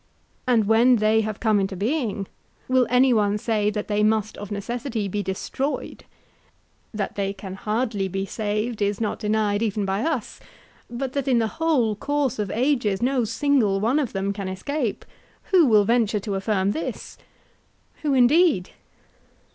And when they have come into being will any one say that they must of necessity be destroyed; that they can hardly be saved is not denied even by us; but that in the whole course of ages no single one of them can escape—who will venture to affirm this? Who indeed!